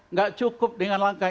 nggak cukup dengan langkah